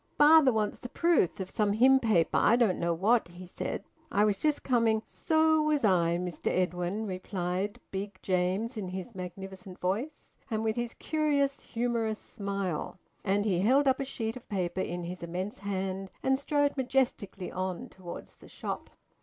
"Father wants the proof of some hymn paper I don't know what," he said. "I was just coming " "So was I, Mister Edwin," replied Big James in his magnificent voice, and with his curious humorous smile. And he held up a sheet of paper in his immense hand, and strode majestically on towards the shop.